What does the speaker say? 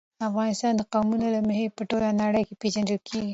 افغانستان د قومونه له مخې په ټوله نړۍ کې پېژندل کېږي.